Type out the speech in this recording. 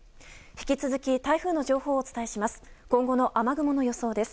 引き続き台風の情報をお伝えします。